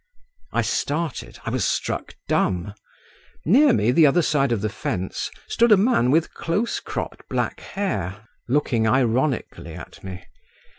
I started, I was struck dumb…. Near me, the other side of the fence, stood a man with close cropped black hair, looking ironically at me.